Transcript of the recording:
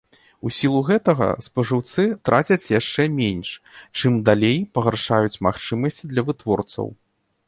У сілу гэтага спажыўцы трацяць яшчэ менш, чым далей пагаршаюць магчымасці для вытворцаў.